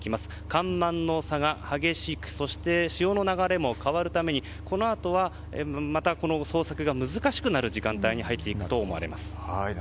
干満の差が激しくそして潮の流れも変わるためにこのあとはまた捜索が難しくなる時間帯に入っていくと思われます。